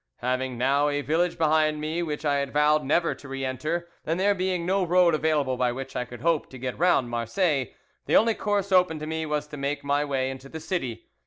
"Having now a village behind me which I had vowed never to re enter, and there being no road available by which I could hope to get round Marseilles, the only course open to me was to make my way into the city.